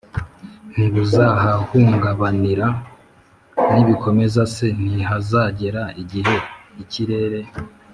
ntibuzahahungabanira ? nibikomeza se, ntihazagera igihe ikirere